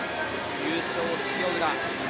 優勝、塩浦。